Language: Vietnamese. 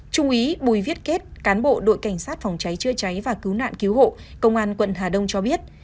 trung úy bùi viết kết cán bộ đội cảnh sát phòng cháy chữa cháy và cứu nạn cứu hộ công an quận hà đông cho biết